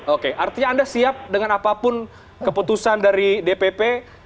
oke artinya anda siap dengan apapun keputusan dari dpp